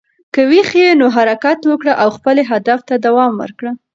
که ویښ یې، نو حرکت وکړه او خپلې هدف ته دوام ورکړه.